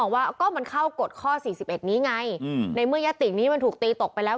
ว่าก็มันเข้ากฎข้อ๔๑นี้ไงในเมื่อยตินี้มันถูกตีตกไปแล้ว